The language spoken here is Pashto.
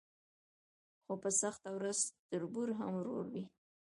خو په سخته ورځ تربور هم ورور وي.